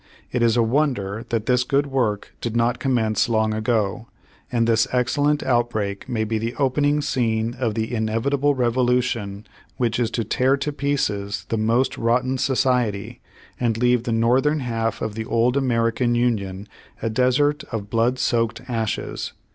It is a wonder that this good work did not com mence long ago; and this excellent outbreak may be the opening scene of the inevitable revolution which is to tear to pieces the most rotten Society, and leave the Northern half of the old American Union a desert of blood soaked ashes.